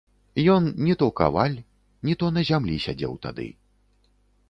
Ён ні то каваль, ні то на зямлі сядзеў тады.